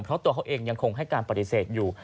เพราะตัวเขาเองยังคงให้การปฏิเสธอยู่